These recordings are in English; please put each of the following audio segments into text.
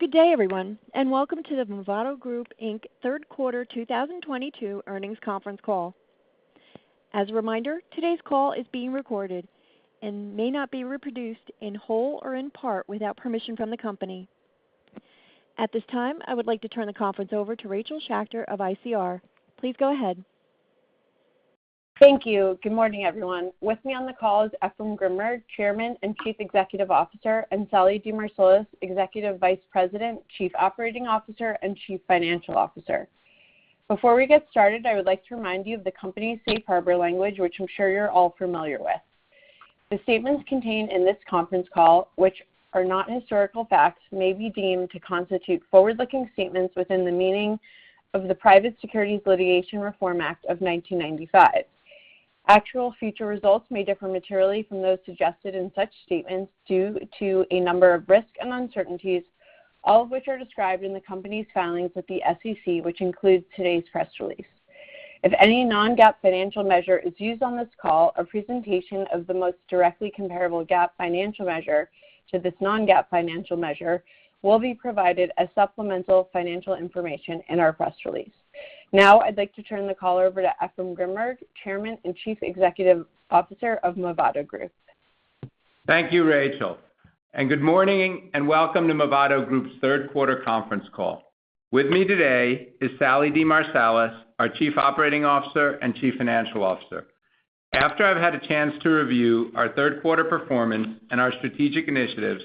Good day, everyone, and welcome to the Movado Group, Inc. third quarter 2022 earnings conference call. As a reminder, today's call is being recorded and may not be reproduced in whole or in part without permission from the company. At this time, I would like to turn the conference over to Rachel Schacter of ICR. Please go ahead........... Thank you. Good morning, everyone. With me on the call is Efraim Grinberg, Chairman and Chief Executive Officer, and Sallie DeMarsilis, Executive Vice President, Chief Operating Officer and Chief Financial Officer. Before we get started, I would like to remind you of the company's safe harbor language, which I'm sure you're all familiar with. The statements contained in this conference call, which are not historical facts, may be deemed to constitute forward-looking statements within the meaning of the Private Securities Litigation Reform Act of 1995. Actual future results may differ materially from those suggested in such statements due to a number of risks and uncertainties, all of which are described in the company's filings with the SEC, which includes today's press release. If any non-GAAP financial measure is used on this call or presentation of the most directly comparable GAAP financial measure to this non-GAAP financial measure will be provided as supplemental financial information in our press release. Now, I'd like to turn the call over to Efraim Grinberg, Chairman and Chief Executive Officer of Movado Group. Thank you, Rachel, and good morning and welcome to Movado Group's third quarter conference call. With me today is Sallie DeMarsilis, our Chief Operating Officer and Chief Financial Officer. After I've had a chance to review our third quarter performance and our strategic initiatives,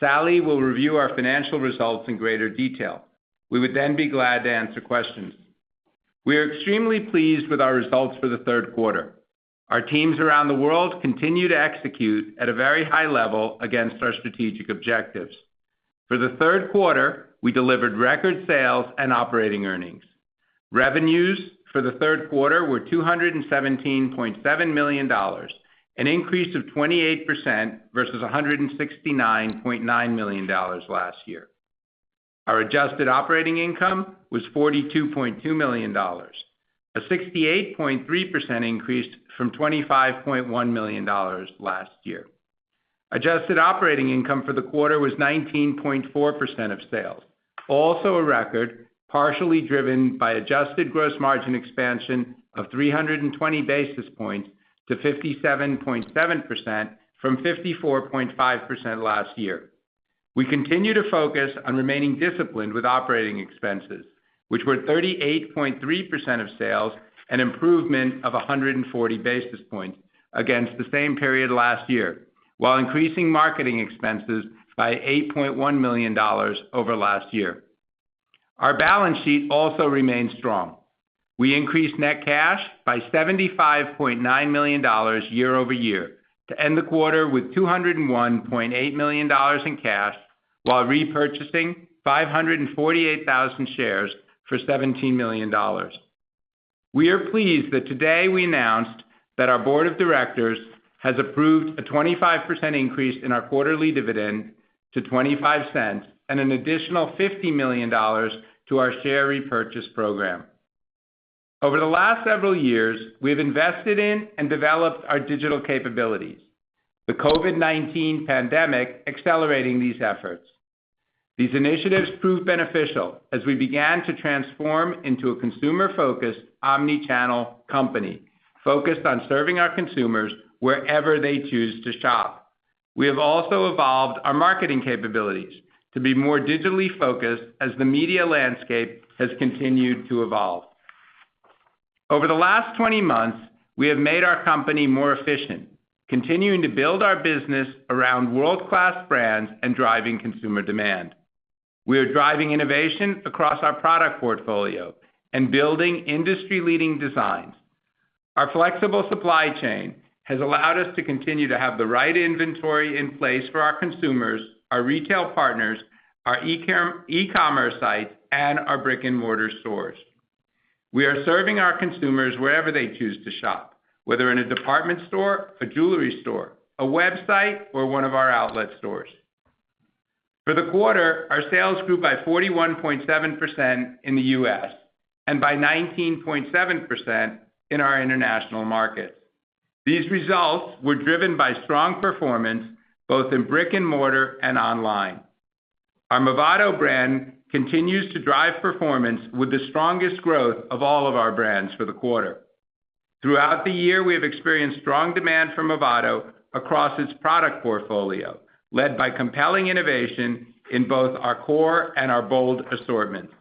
Sallie will review our financial results in greater detail. We would then be glad to answer questions. We are extremely pleased with our results for the third quarter. Our teams around the world continue to execute at a very high level against our strategic objectives. For the third quarter, we delivered record sales and operating earnings. Revenues for the third quarter were $217.7 million, an increase of 28% versus $169.9 million last year. Our adjusted operating income was $42.2 million, a 68.3% increase from $25.1 million last year. Adjusted operating income for the quarter was 19.4% of sales, also a record partially driven by adjusted gross margin expansion of 320 basis points to 57.7% from 54.5% last year. We continue to focus on remaining disciplined with operating expenses, which were 38.3% of sales, an improvement of 140 basis points against the same period last year, while increasing marketing expenses by $8.1 million over last year. Our balance sheet also remains strong. We increased net cash by $75.9 million year over year to end the quarter with $201.8 million in cash while repurchasing 548,000 shares for $17 million. We are pleased that today we announced that our board of directors has approved a 25% increase in our quarterly dividend to $0.25 and an additional $50 million to our share repurchase program. Over the last several years, we have invested in and developed our digital capabilities, the COVID-19 pandemic accelerating these efforts. These initiatives proved beneficial as we began to transform into a consumer-focused omnichannel company focused on serving our consumers wherever they choose to shop. We have also evolved our marketing capabilities to be more digitally focused as the media landscape has continued to evolve. Over the last 20 months, we have made our company more efficient, continuing to build our business around world-class brands and driving consumer demand. We are driving innovation across our product portfolio and building industry-leading designs. Our flexible supply chain has allowed us to continue to have the right inventory in place for our consumers, our retail partners, our e-commerce sites, and our brick-and-mortar stores. We are serving our consumers wherever they choose to shop, whether in a department store, a jewelry store, a website, or one of our outlet stores. For the quarter, our sales grew by 41.7% in the U.S. and by 19.7% in our international markets. These results were driven by strong performance both in brick and mortar and online. Our Movado brand continues to drive performance with the strongest growth of all of our brands for the quarter. Throughout the year, we have experienced strong demand from Movado across its product portfolio, led by compelling innovation in both our core and our bold assortments.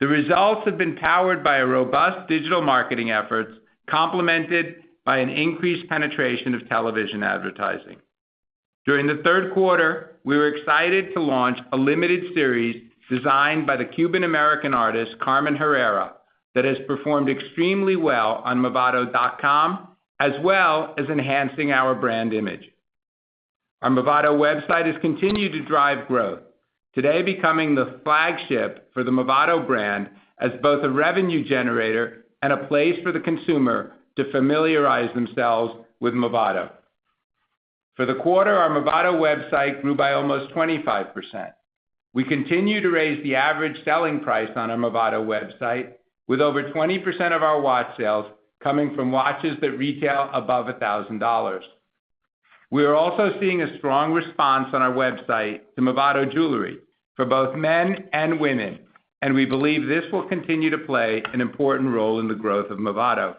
The results have been powered by a robust digital marketing efforts, complemented by an increased penetration of television advertising. During the third quarter, we were excited to launch a limited series designed by the Cuban American artist, Carmen Herrera, that has performed extremely well on movado.com, as well as enhancing our brand image. Our Movado website has continued to drive growth, today becoming the flagship for the Movado brand as both a revenue generator and a place for the consumer to familiarize themselves with Movado. For the quarter, our Movado website grew by almost 25%. We continue to raise the average selling price on our Movado website with over 20% of our watch sales coming from watches that retail above $1,000. We are also seeing a strong response on our website to Movado jewelry for both men and women, and we believe this will continue to play an important role in the growth of Movado.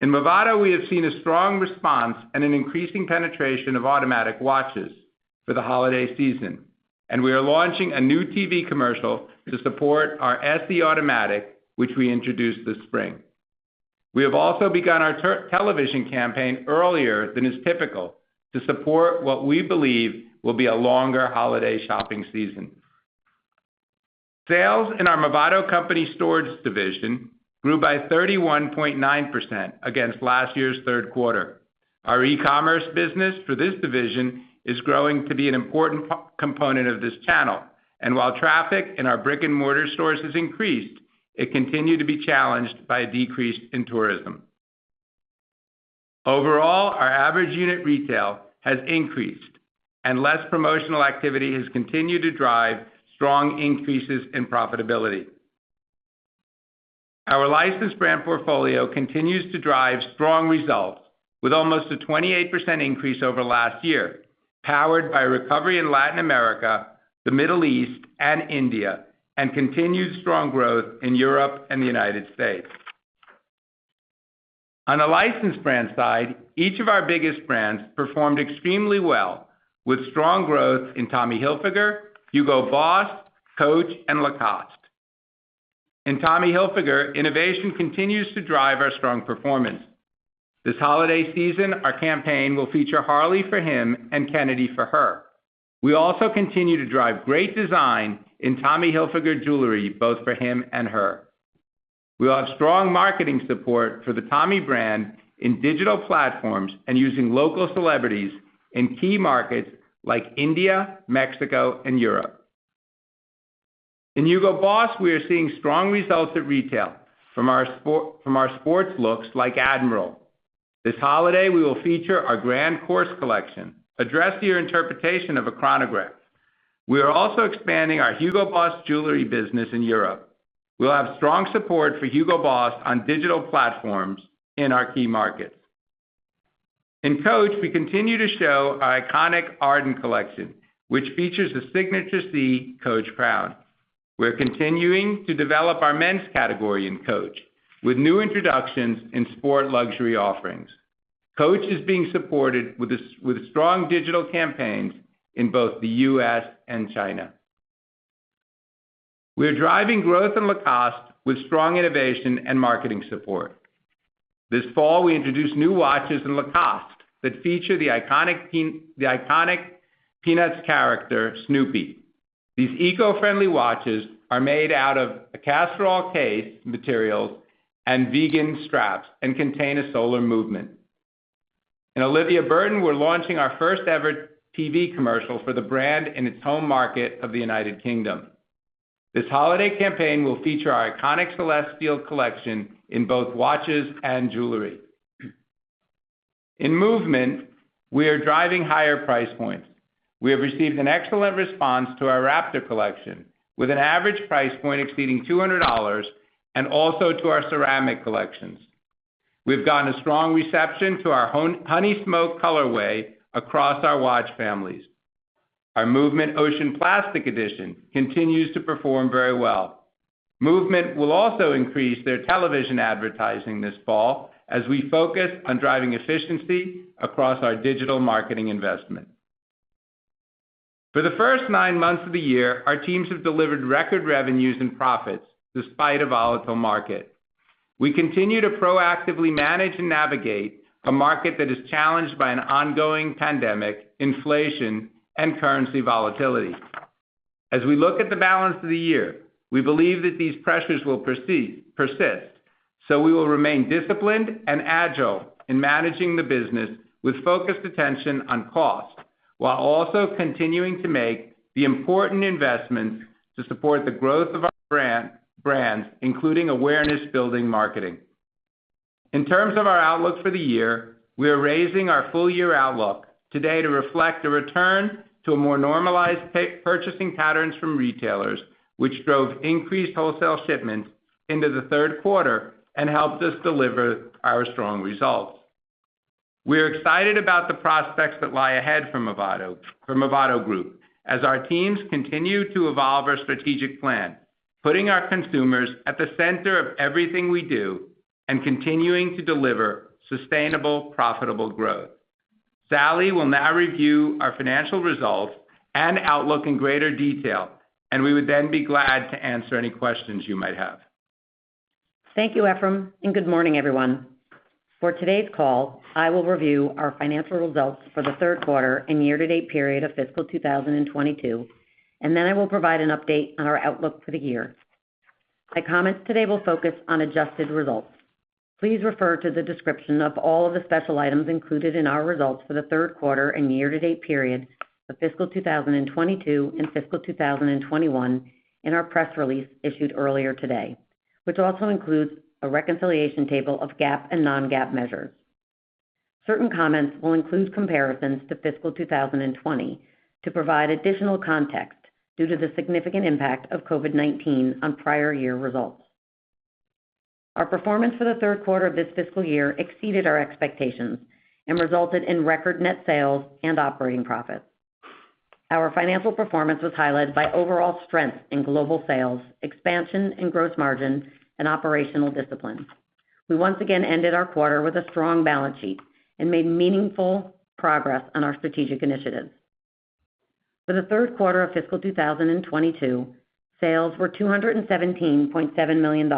In Movado, we have seen a strong response and an increasing penetration of automatic watches for the holiday season, and we are launching a new TV commercial to support our SE Automatic, which we introduced this spring. We have also begun our television campaign earlier than is typical to support what we believe will be a longer holiday shopping season. Sales in our Movado company stores division grew by 31.9% against last year's third quarter. Our e-commerce business for this division is growing to be an important component of this channel, and while traffic in our brick-and-mortar stores has increased, it continued to be challenged by a decrease in tourism. Overall, our average unit retail has increased and less promotional activity has continued to drive strong increases in profitability. Our licensed brand portfolio continues to drive strong results with almost a 28% increase over last year, powered by recovery in Latin America, the Middle East, and India, and continued strong growth in Europe and the United States. On the licensed brand side, each of our biggest brands performed extremely well with strong growth in Tommy Hilfiger, HUGO BOSS, Coach, and Lacoste. In Tommy Hilfiger, innovation continues to drive our strong performance. This holiday season, our campaign will feature Harley for him and Kennedy for her. We also continue to drive great design in Tommy Hilfiger jewelry, both for him and her. We'll have strong marketing support for the Tommy brand in digital platforms and using local celebrities in key markets like India, Mexico, and Europe. In HUGO BOSS, we are seeing strong results at retail from our sports looks like Admiral. This holiday, we will feature our Grand Course collection, a dressier interpretation of a chronograph. We are also expanding our HUGO BOSS jewelry business in Europe. We'll have strong support for HUGO BOSS on digital platforms in our key markets. In Coach, we continue to show our iconic Arden collection, which features the signature Coach crown. We're continuing to develop our men's category in Coach with new introductions in sport luxury offerings. Coach is being supported with strong digital campaigns in both the U.S. and China. We're driving growth in Lacoste with strong innovation and marketing support. This fall, we introduced new watches in Lacoste that feature the iconic Peanuts character, Snoopy. These eco-friendly watches are made out of a castor oil case materials and vegan straps and contain a solar movement. In Olivia Burton, we're launching our first-ever TV commercial for the brand in its home market of the United Kingdom. This holiday campaign will feature our iconic Celestial collection in both watches and jewelry. In MVMT, we are driving higher price points. We have received an excellent response to our Raptor collection, with an average price point exceeding $200, and also to our ceramic collections. We've gotten a strong reception to our Honey Smoke colorway across our watch families. Our MVMT Ocean Plastic edition continues to perform very well. MVMT will also increase their television advertising this fall as we focus on driving efficiency across our digital marketing investment. For the first nine months of the year, our teams have delivered record revenues and profits despite a volatile market. We continue to proactively manage and navigate a market that is challenged by an ongoing pandemic, inflation, and currency volatility. As we look at the balance of the year, we believe that these pressures will persist, so we will remain disciplined and agile in managing the business with focused attention on cost, while also continuing to make the important investments to support the growth of our brands, including awareness-building marketing. In terms of our outlook for the year, we are raising our full-year outlook today to reflect a return to more normalized purchasing patterns from retailers, which drove increased wholesale shipments into the third quarter and helped us deliver our strong results. We are excited about the prospects that lie ahead for Movado, for Movado Group as our teams continue to evolve our strategic plan, putting our consumers at the center of everything we do and continuing to deliver sustainable, profitable growth. Sallie will now review our financial results and outlook in greater detail, and we would then be glad to answer any questions you might have. Thank you, Efraim, and good morning, everyone. For today's call, I will review our financial results for the third quarter and year-to-date period of fiscal 2022, and then I will provide an update on our outlook for the year. My comments today will focus on adjusted results. Please refer to the description of all of the special items included in our results for the third quarter and year-to-date period of fiscal 2022 and fiscal 2021 in our press release issued earlier today, which also includes a reconciliation table of GAAP and non-GAAP measures. Certain comments will include comparisons to fiscal 2020 to provide additional context due to the significant impact of COVID-19 on prior year results. Our performance for the third quarter of this fiscal year exceeded our expectations and resulted in record net sales and operating profits. Our financial performance was highlighted by overall strength in global sales, expansion in gross margin and operational discipline. We once again ended our quarter with a strong balance sheet and made meaningful progress on our strategic initiatives. For the third quarter of fiscal 2022, sales were $217.7 million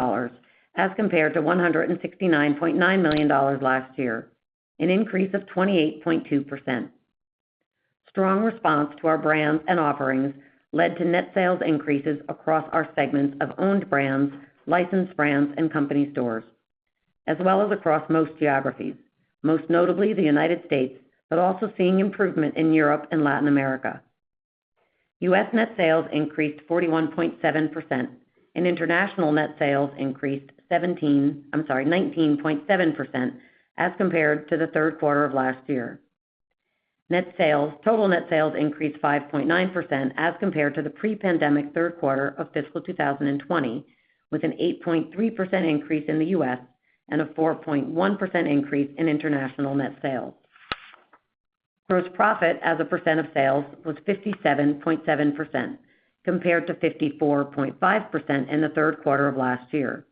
as compared to $169.9 million last year, an increase of 28.2%. Strong response to our brands and offerings led to net sales increases across our segments of owned brands, licensed brands and company stores, as well as across most geographies. Most notably the United States, but also seeing improvement in Europe and Latin America. U.S. net sales increased 41.7% and international net sales increased 19.7% as compared to the third quarter of last year. Net sales. Total net sales increased 5.9% as compared to the pre-pandemic third quarter of fiscal 2020, with an 8.3% increase in the U.S. and a 4.1% increase in international net sales. Gross profit as a percent of sales was 57.7% compared to 54.5% in the third quarter of last year.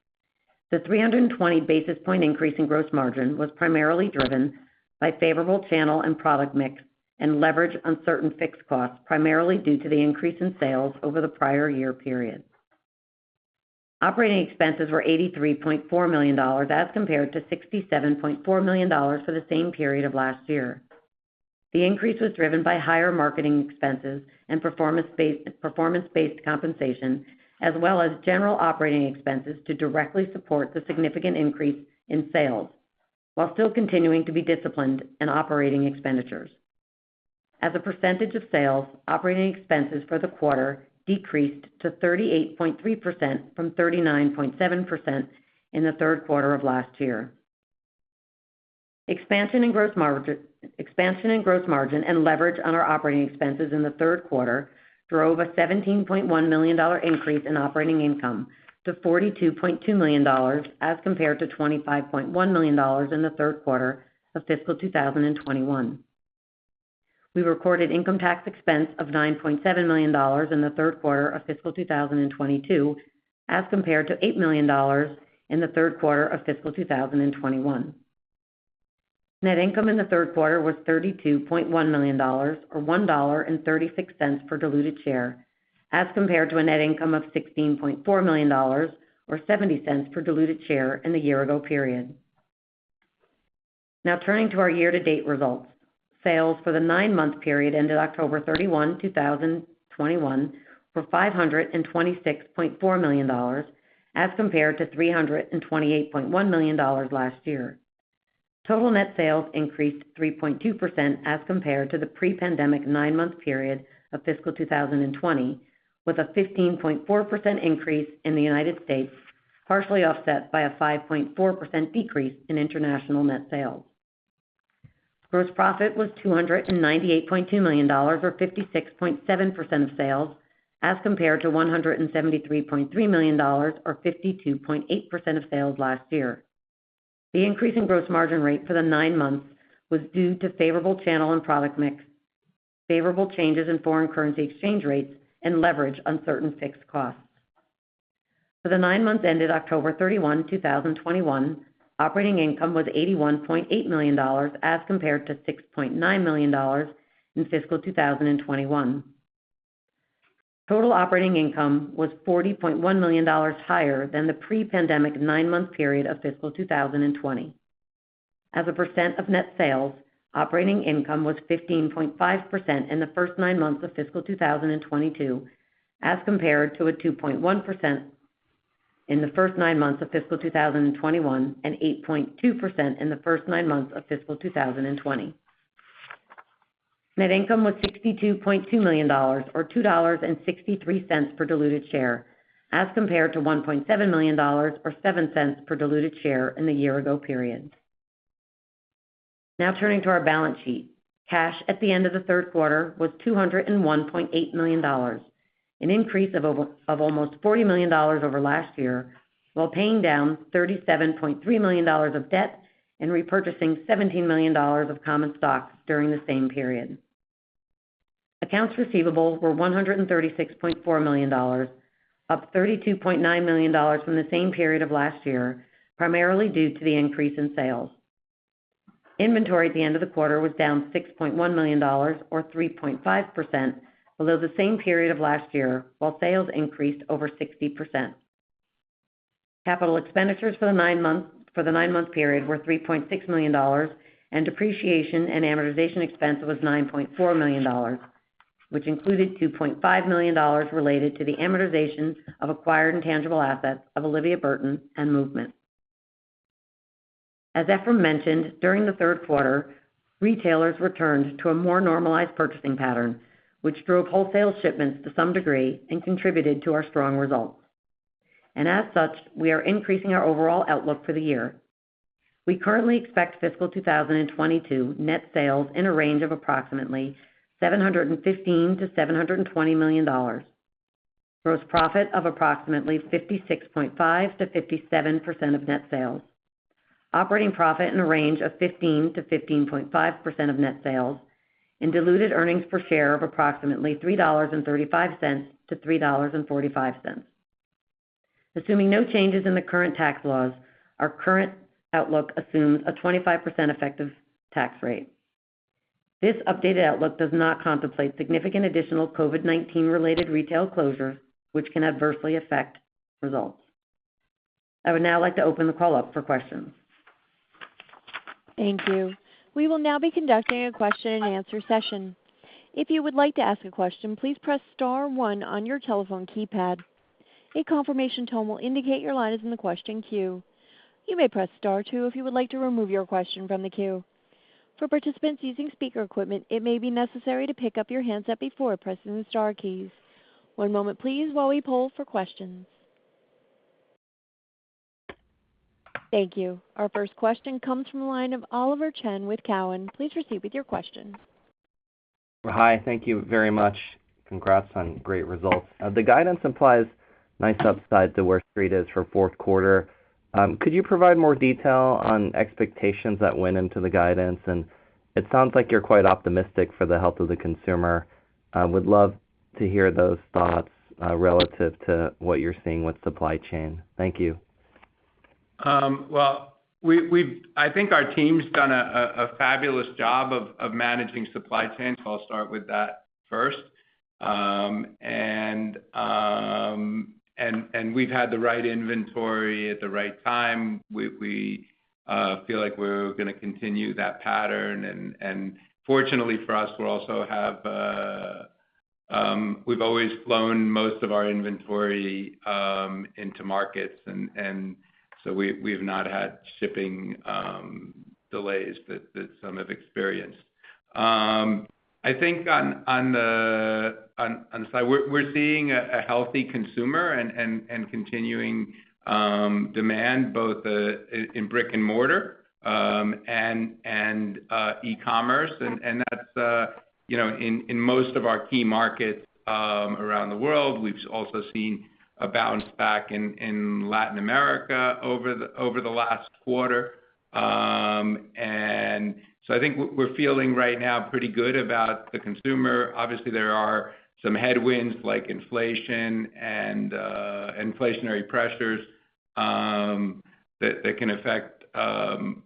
The 320 basis point increase in gross margin was primarily driven by favorable channel and product mix and leverage on certain fixed costs, primarily due to the increase in sales over the prior year period. Operating expenses were $83.4 million as compared to $67.4 million for the same period of last year. The increase was driven by higher marketing expenses and performance based compensation as well as general operating expenses to directly support the significant increase in sales, while still continuing to be disciplined in operating expenditures. As a percentage of sales, operating expenses for the quarter decreased to 38.3% from 39.7% in the third quarter of last year. Expansion in gross margin and leverage on our operating expenses in the third quarter drove a $17.1 million increase in operating income to $42.2 million as compared to $25.1 million in the third quarter of fiscal 2021. We recorded income tax expense of $9.7 million in the third quarter of fiscal 2022, as compared to $8 million in the third quarter of fiscal 2021. Net income in the third quarter was $32.1 million, or $1.36 per diluted share, as compared to a net income of $16.4 million or $0.70 per diluted share in the year ago period. Now turning to our year-to-date results. Sales for the nine-month period ended October 31, 2021 were $526.4 million as compared to $328.1 million last year. Total net sales increased 3.2% as compared to the pre-pandemic nine-month period of fiscal 2020, with a 15.4% increase in the United States, partially offset by a 5.4% decrease in international net sales. Gross profit was $298.2 million or 56.7% of sales, as compared to $173.3 million or 52.8% of sales last year. The increase in gross margin rate for the nine months was due to favorable channel and product mix, favorable changes in foreign currency exchange rates, and leverage on certain fixed costs. For the nine months ended October 31, 2021, operating income was $81.8 million as compared to $6.9 million in fiscal 2021. Total operating income was $40.1 million higher than the pre-pandemic nine-month period of fiscal 2020. As a percent of net sales, operating income was 15.5% in the first nine months of fiscal 2022, as compared to 2.1% in the first nine months of fiscal 2021, and 8.2% in the first nine months of fiscal 2020. Net income was $62.2 million or $2.63 per diluted share, as compared to $1.7 million or $0.07 per diluted share in the year ago period. Now turning to our balance sheet. Cash at the end of the third quarter was $201.8 million, an increase of almost $40 million over last year, while paying down $37.3 million of debt and repurchasing $17 million of common stock during the same period. Accounts receivable were $136.4 million, up $32.9 million from the same period of last year, primarily due to the increase in sales. Inventory at the end of the quarter was down $6.1 million or 3.5% below the same period of last year, while sales increased over 60%. Capital expenditures for the nine-month period were $3.6 million, and depreciation and amortization expense was $9.4 million, which included $2.5 million related to the amortization of acquired intangible assets of Olivia Burton and MVMT. As Efraim mentioned, during the third quarter, retailers returned to a more normalized purchasing pattern, which drove wholesale shipments to some degree and contributed to our strong results. As such, we are increasing our overall outlook for the year. We currently expect fiscal 2022 net sales in a range of approximately $715 million-$720 million. Gross profit of approximately 56.5%-57% of net sales. Operating profit in a range of 15%-15.5% of net sales, and diluted earnings per share of approximately $3.35-$3.45. Assuming no changes in the current tax laws, our current outlook assumes a 25% effective tax rate. This updated outlook does not contemplate significant additional COVID-19 related retail closures, which can adversely affect results. I would now like to open the call up for questions. Thank you. We will now be conducting a question and answer session. If you would like to ask a question, please press star one on your telephone keypad. A confirmation tone will indicate your line is in the question queue. You may press star two if you would like to remove your question from the queue. For participants using speaker equipment, it may be necessary to pick up your handset before pressing the star keys. One moment please while we poll for questions. Thank you. Our first question comes from the line of Oliver Chen with TD Cowen. Please proceed with your question Hi, thank you very much. Congrats on great results. The guidance implies nice upside to where Street is for fourth quarter. Could you provide more detail on expectations that went into the guidance? It sounds like you're quite optimistic for the health of the consumer. I would love to hear those thoughts relative to what you're seeing with supply chain. Thank you. I think our team's done a fabulous job of managing supply chain, so I'll start with that first. We've had the right inventory at the right time. We feel like we're gonna continue that pattern. Fortunately for us, we've always flown most of our inventory into markets. We've not had shipping delays that some have experienced. I think on the side, we're seeing a healthy consumer and continuing demand both in brick and mortar and e-commerce. That's you know in most of our key markets around the world. We've also seen a bounce back in Latin America over the last quarter. I think we're feeling right now pretty good about the consumer. Obviously, there are some headwinds like inflation and inflationary pressures that can affect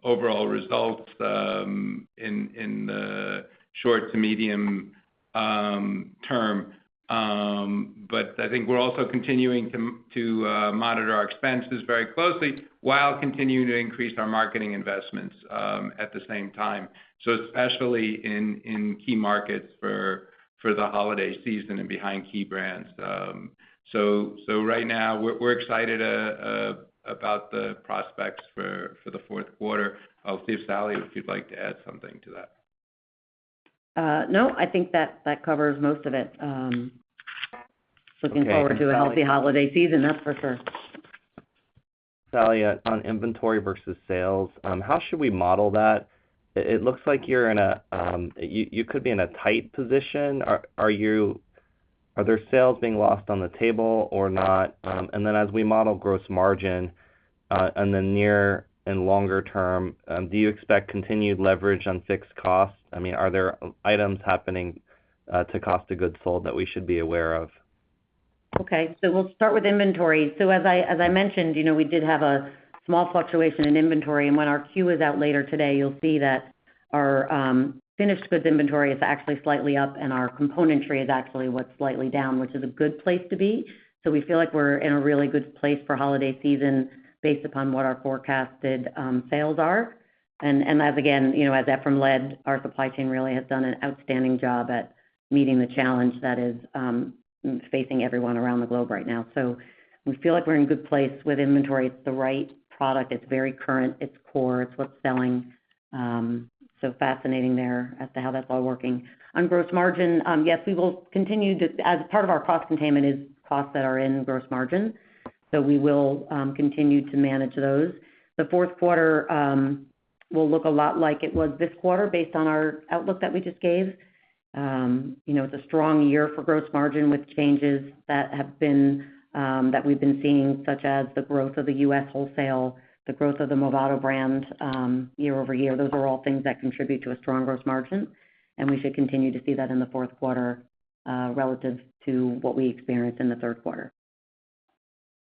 overall results in the short to medium term. I think we're also continuing to monitor our expenses very closely while continuing to increase our marketing investments at the same time, especially in key markets for the holiday season and behind key brands. Right now we're excited about the prospects for the fourth quarter. I'll see if Sallie, if you'd like to add something to that. No, I think that covers most of it. Okay. Looking forward to a healthy holiday season, that's for sure. Sallie, on inventory versus sales, how should we model that? It looks like you're in a tight position. Are there sales being lost on the table or not? As we model gross margin, in the near and longer term, do you expect continued leverage on fixed costs? I mean, are there items happening to cost of goods sold that we should be aware of? Okay. We'll start with inventory. As I mentioned, you know, we did have a small fluctuation in inventory, and when our Q is out later today, you'll see that our finished goods inventory is actually slightly up and our componentry is actually what's slightly down, which is a good place to be. We feel like we're in a really good place for holiday season based upon what our forecasted sales are. As again, you know, as Efraim led, our supply chain really has done an outstanding job at meeting the challenge that is facing everyone around the globe right now. We feel like we're in a good place with inventory. It's the right product. It's very current. It's core. It's what's selling. Fascinating there as to how that's all working. On gross margin, yes, we will continue as part of our cost containment, costs that are in gross margin. We will continue to manage those. The fourth quarter will look a lot like it was this quarter based on our outlook that we just gave. You know, it's a strong year for gross margin with changes that we've been seeing, such as the growth of the U.S. wholesale, the growth of the Movado brand year-over-year. Those are all things that contribute to a strong gross margin, and we should continue to see that in the fourth quarter relative to what we experienced in the third quarter.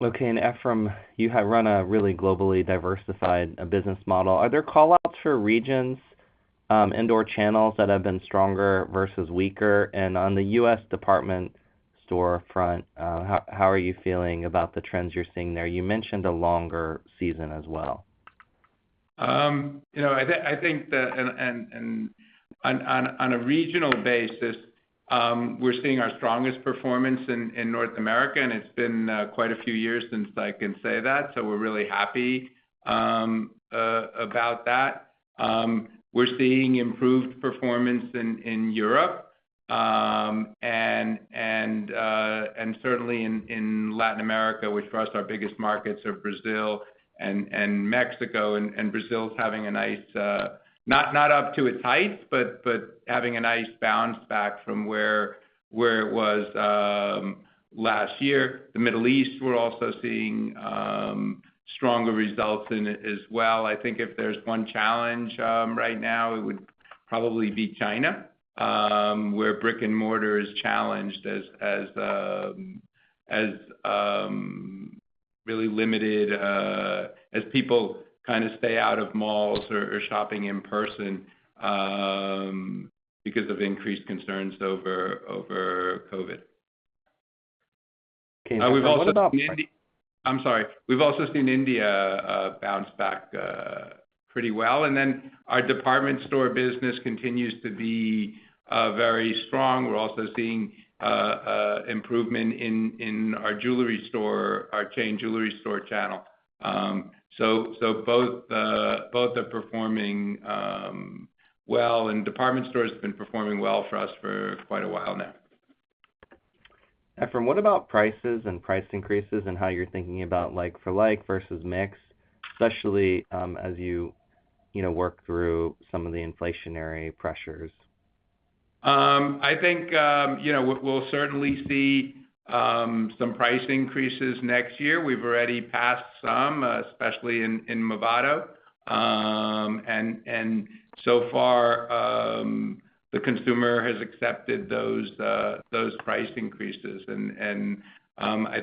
Okay. Efraim, you have run a really globally diversified business model. Are there callouts for regions, in-store channels that have been stronger versus weaker? On the U.S. department store front, how are you feeling about the trends you're seeing there? You mentioned a longer season as well. You know, I think and on a regional basis, we're seeing our strongest performance in North America, and it's been quite a few years since I can say that. We're really happy about that. We're seeing improved performance in Europe and certainly in Latin America, which for us our biggest markets are Brazil and Mexico. Brazil is having a nice not up to its heights, but having a nice bounce back from where it was last year. The Middle East, we're also seeing stronger results in it as well. I think if there's one challenge right now, it would probably be China, where brick-and-mortar is challenged as really limited, as people kinda stay out of malls or shopping in person, because of increased concerns over COVID. Okay. Now what about? We've also seen India bounce back pretty well. Our department store business continues to be very strong. We're also seeing improvement in our jewelry store, our chain jewelry store channel. Both are performing well, and department stores have been performing well for us for quite a while now. Efraim, what about prices and price increases and how you're thinking about like-for-like versus mix, especially, as you know, work through some of the inflationary pressures? I think, you know, we'll certainly see some price increases next year. We've already passed some, especially in Movado. I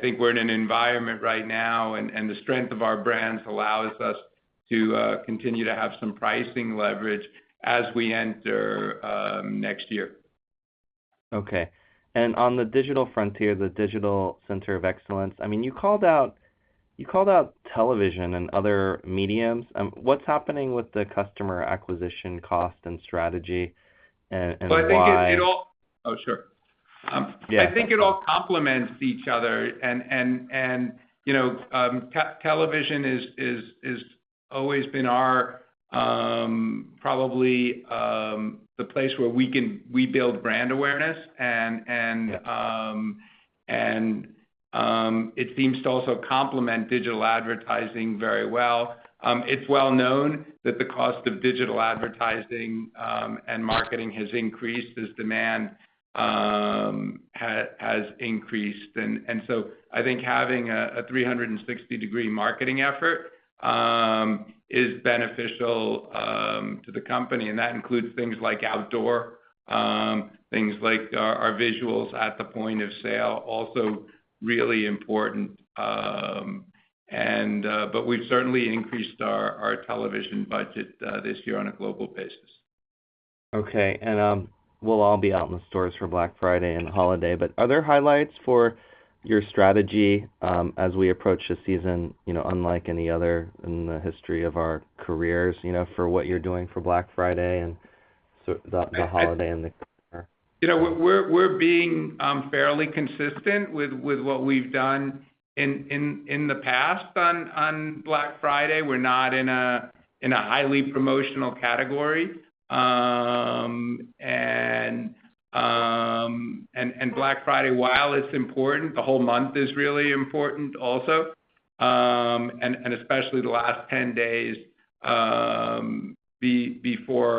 think we're in an environment right now and the strength of our brands allows us to continue to have some pricing leverage as we enter next year. Okay. On the digital frontier, the digital center of excellence, I mean, you called out television and other media. What's happening with the customer acquisition cost and strategy and why? I think it all. Oh, sure. Yeah. I think it all complements each other. You know, television is always been our probably the place where we can rebuild brand awareness. It seems to also complement digital advertising very well. It's well known that the cost of digital advertising and marketing has increased as demand has increased. I think having a 360-degree marketing effort is beneficial to the company, and that includes things like outdoor, things like our visuals at the point of sale, also really important. We've certainly increased our television budget this year on a global basis. We'll all be out in the stores for Black Friday and holiday. Are there highlights for your strategy as we approach a season, you know, unlike any other in the history of our careers, you know, for what you're doing for Black Friday and so the holiday and the quarter? You know, we're being fairly consistent with what we've done in the past on Black Friday. We're not in a highly promotional category. Black Friday, while it's important, the whole month is really important also, and especially the last 10 days, before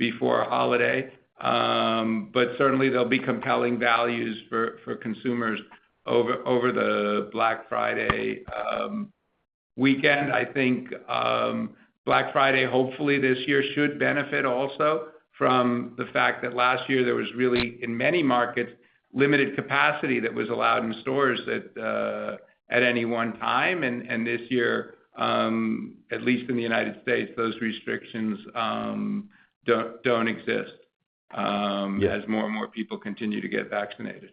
a holiday. Certainly there'll be compelling values for consumers over the Black Friday weekend. I think Black Friday, hopefully this year, should benefit also from the fact that last year there was really, in many markets, limited capacity that was allowed in stores at any one time. This year, at least in the United States, those restrictions don't exist. Yeah as more and more people continue to get vaccinated.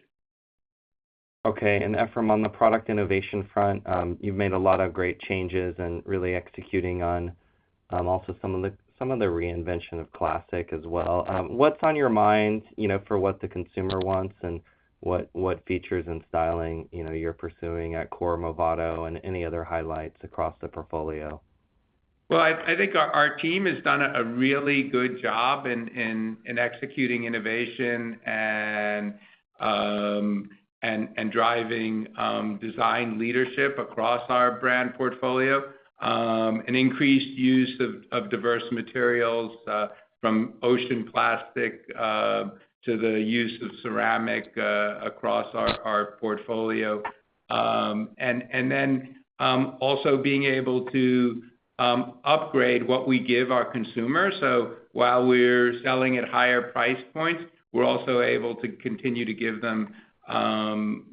Okay. Efraim, on the product innovation front, you've made a lot of great changes and really executing on also some of the reinvention of classic as well. What's on your mind, you know, for what the consumer wants and what features and styling, you know, you're pursuing at core Movado and any other highlights across the portfolio? Well, I think our team has done a really good job in executing innovation and driving design leadership across our brand portfolio. An increased use of diverse materials from ocean plastic to the use of ceramic across our portfolio, and then also being able to upgrade what we give our consumers. While we're selling at higher price points, we're also able to continue to give them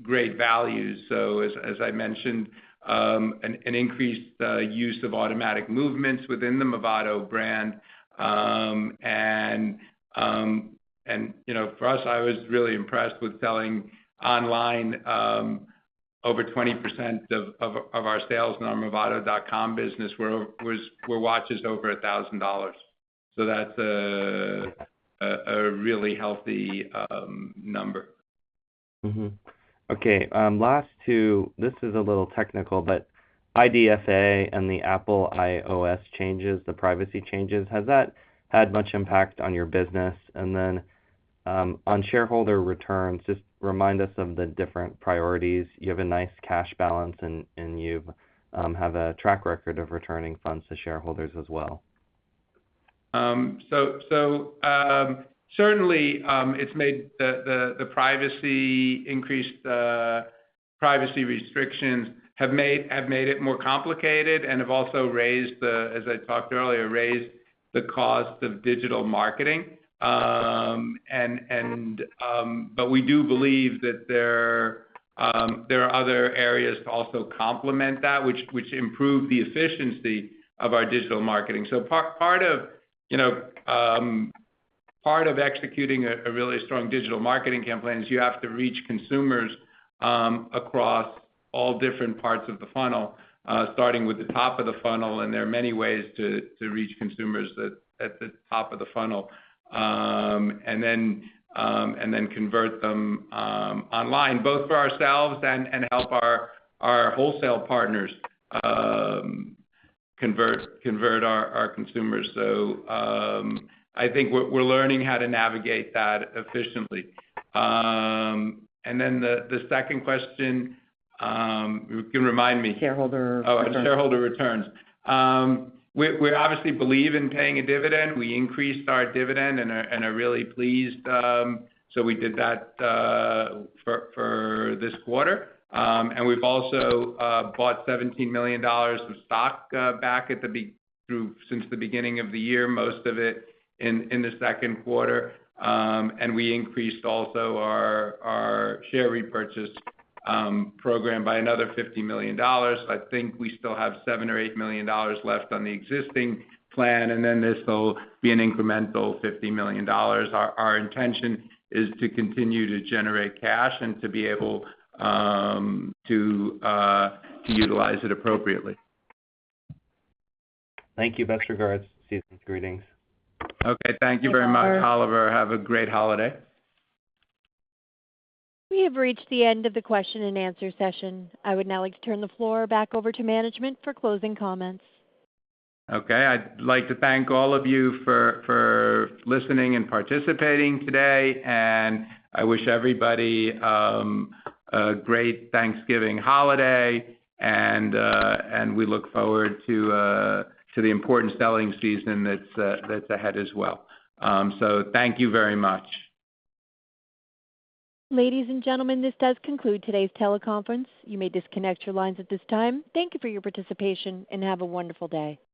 great value. As I mentioned, an increased use of automatic movements within the Movado brand. You know, for us, I was really impressed with selling online, over 20% of our sales in our movado.com business were watches over $1,000. That's a really healthy number. Mm-hmm. Okay. Last two, this is a little technical, but IDFA and the Apple iOS changes, the privacy changes, has that had much impact on your business? On shareholder returns, just remind us of the different priorities. You have a nice cash balance and you have a track record of returning funds to shareholders as well. Certainly, the privacy restrictions have made it more complicated and have also raised the cost of digital marketing, as I talked earlier. We do believe that there are other areas to also complement that which improve the efficiency of our digital marketing. Part of, you know, executing a really strong digital marketing campaign is you have to reach consumers across all different parts of the funnel, starting with the top of the funnel, and there are many ways to reach consumers at the top of the funnel. Then convert them online, both for ourselves and help our wholesale partners convert our consumers. I think we're learning how to navigate that efficiently. Then the second question, you can remind me. Shareholder returns. Shareholder returns. We obviously believe in paying a dividend. We increased our dividend and are really pleased. We did that for this quarter. We've also bought $17 million of stock back since the beginning of the year, most of it in the second quarter. We increased also our share repurchase program by another $50 million. I think we still have $7 million or $8 million left on the existing plan, and then this will be an incremental $50 million. Our intention is to continue to generate cash and to be able to utilize it appropriately. Thank you. Best regards. Season's greetings. Okay. Thank you very much, Oliver. Have a great holiday. We have reached the end of the question and answer session. I would now like to turn the floor back over to management for closing comments. Okay. I'd like to thank all of you for listening and participating today. I wish everybody a great Thanksgiving holiday, and we look forward to the important selling season that's ahead as well. Thank you very much. Ladies and gentlemen, this does conclude today's teleconference. You may disconnect your lines at this time. Thank you for your participation, and have a wonderful day.